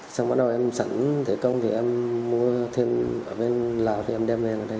xong bắt đầu em sẵn thể công thì em mua thêm ở bên lào thì em đem về đây